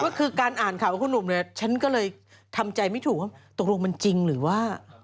ก็คือการอ่านข่าวของคุณหนุ่มเนี่ยฉันก็เลยทำใจไม่ถูกว่าตกลงมันจริงหรือว่า